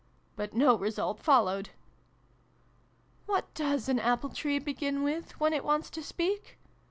But no result followed. " What does an Apple tree begin with, when it wants to speak